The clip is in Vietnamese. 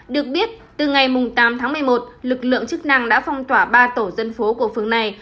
được biết từ ngày tám tháng một mươi một lực lượng chức năng đã phong tỏa ba tổ dân phố của phường này